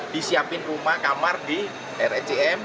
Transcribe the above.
disiapin rumah kamar di rsjm